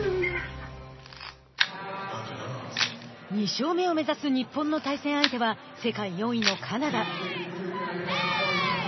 ２勝目を目指す日本の対戦相手は世界４位のカナダ。